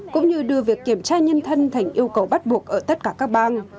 cũng như đưa việc kiểm tra nhân thân thành yêu cầu bắt buộc ở tất cả các bang